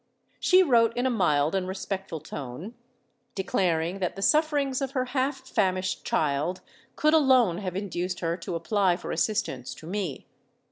She wrote in a mild and respectful tone—declaring that the sufferings of her half famished child could alone have induced her to apply for assistance to me.